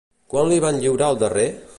Quan li van lliurar el darrer?